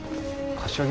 柏木！